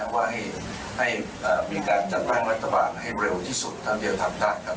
ว่ามีการจัดตั้งรัฐบาลให้เร็วที่สุดทั้งเที่ยวทำได้